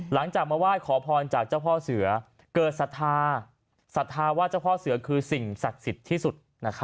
หลังจากมาไหว้ขอพรจากเจ้าพ่อเสือเกิดศรัทธาศรัทธาว่าเจ้าพ่อเสือคือสิ่งศักดิ์สิทธิ์ที่สุด